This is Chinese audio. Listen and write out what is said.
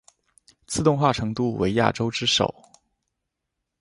自动化程度为亚洲之首。